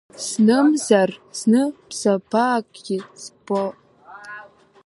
Знымзар, зны, бзабаакгьы збап.